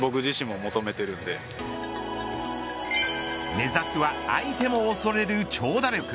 目指すは相手も恐れる長打力。